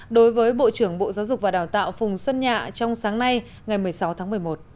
đối với bộ trưởng bộ giáo dục và đào tạo phùng xuân nhạ trong sáng nay ngày một mươi sáu tháng một mươi một